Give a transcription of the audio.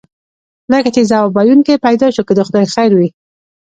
لکه چې ځواب ویونکی پیدا شو، که د خدای خیر وي.